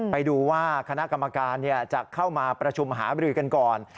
ไปดูว่าคณะกรรมการจะเข้ามาประชุมหาบรือกันก่อน